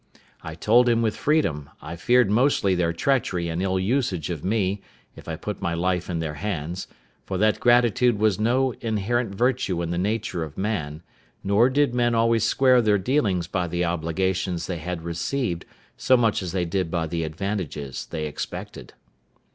I told him with freedom, I feared mostly their treachery and ill usage of me, if I put my life in their hands; for that gratitude was no inherent virtue in the nature of man, nor did men always square their dealings by the obligations they had received so much as they did by the advantages they expected.